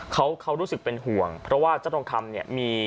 เขารู้สึกเป็นห่วงเพราะว่าเจ้าตรงคำ